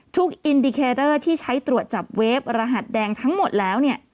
อินดิเคเดอร์ที่ใช้ตรวจจับเวฟรหัสแดงทั้งหมดแล้วเนี่ย